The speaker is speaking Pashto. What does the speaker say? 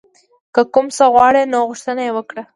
که کوم څه غواړئ نو غوښتنه یې وکړئ.